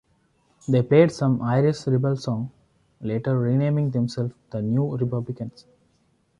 They played some Irish rebel songs, later renaming themselves the New Republicans.